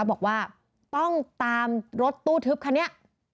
บอกว่าต้องตามรถตู้ทึบคันนี้